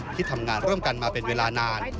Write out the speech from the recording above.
ที่ทำงานร่วมกันมาเป็นเวลานาน